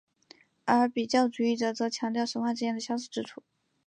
而比较主义者则强调神话之间的相似之处。